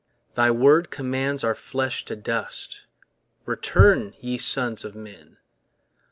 Thy word commands our flesh to dust, Return, ye sons of men.